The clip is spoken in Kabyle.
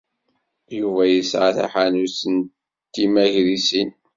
Yuba yesɛa taḥanut n timagrisin.